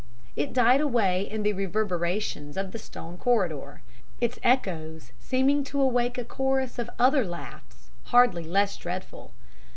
It died away in the reverberations of the stone corridor, its echoes seeming to awake a chorus of other laughs hardly less dreadful.